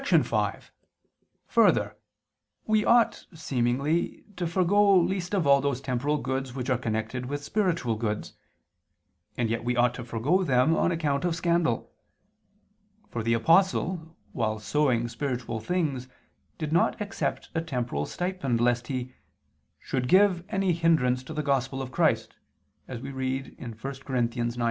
5: Further, we ought, seemingly, to forego least of all those temporal goods which are connected with spiritual goods: and yet we ought to forego them on account of scandal. For the Apostle while sowing spiritual things did not accept a temporal stipend lest he "should give any hindrance to the Gospel of Christ" as we read 1 Cor. 9:12.